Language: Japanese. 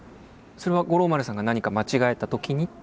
それは五郎丸さんが何か間違えた時に？